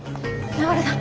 永浦さん！？